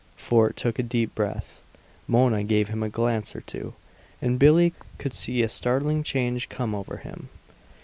Fort took a deep breath. Mona gave him a glance or two, and Billie could see a startling change come over him.